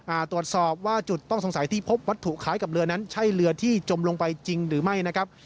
อ่าตรวจสอบว่าจุดต้องสงสัยที่พบวัตถุคล้ายกับเรือนั้นใช่เรือที่จมลงไปจริงหรือไม่นะครับ